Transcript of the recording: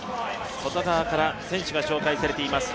外側から選手が紹介されています。